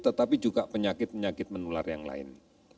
tetapi juga penyakit penyakit menular yang lain